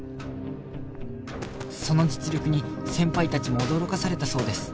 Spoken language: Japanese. その実力に先輩たちも驚かされたそうです